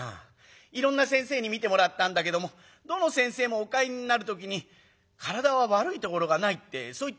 いろんな先生に診てもらったんだけどもどの先生もお帰りになる時に『体は悪いところがない』ってそう言ってお帰りになる。